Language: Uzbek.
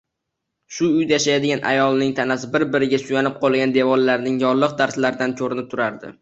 Shu uyda yashaydigan ayolning tanasi bir-biriga suyanib qolgan devorlarning yoriq-darzlaridan koʻrinib turardi